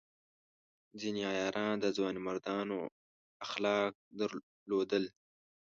ځینې عیاران د ځوانمردانو اخلاق درلودل.